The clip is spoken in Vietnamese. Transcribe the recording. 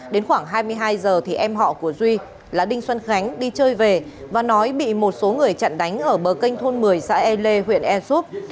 đến khoảng hai mươi hai giờ thì em họ của duy là đinh xuân khánh đi chơi về và nói bị một số người chặn đánh ở bờ kênh thôn một mươi xã e lê huyện ea súp